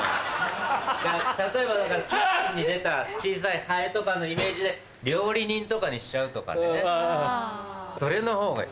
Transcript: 例えばだからキッチンに出た小さいハエとかのイメージで料理人とかにしちゃうとかでねそれのほうが。